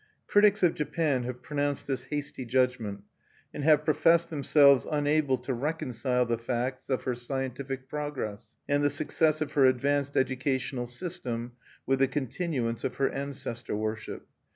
Critics of Japan have pronounced this hasty judgment; and have professed themselves unable to reconcile the facts of her scientific progress, and the success of her advanced educational system, with the continuance of her ancestor worship.